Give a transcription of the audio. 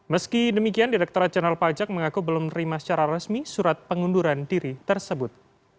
meski demikian direkturat jenderal pajak mengaku belum menerima secara resmi surat pengunduran diri tersebut